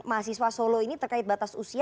mahasiswa solo ini terkait batas usia